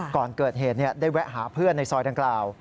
ก่อนเกิดเหตุได้แวะหาเพื่อนในซอยดังกล่าว